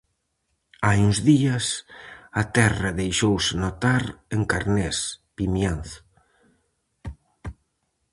Hai uns días, a terra deixouse notar en Carnés, Vimianzo.